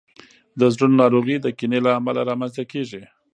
د زړونو ناروغۍ د کینې له امله رامنځته کیږي.